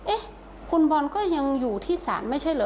เอ๊ะคุณบอลก็ยังอยู่ที่ศาลไม่ใช่เหรอ